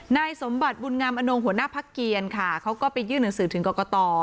นายสมบัติบุญงามอนงหัวหน้าพักเกียรค่ะเขาก็ไปยื่นหนังสือถึงกรกต